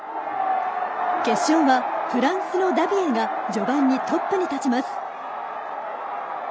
決勝は、フランスのダビエが序盤にトップに立ちます。